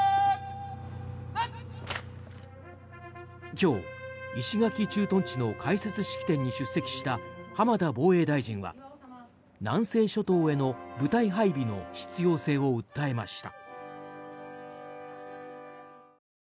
今日、石垣駐屯地の開設式典に出席した浜田防衛大臣は南西諸島への部隊配備の必要性を訴えました。